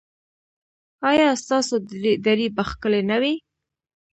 ایا ستاسو درې به ښکلې نه وي؟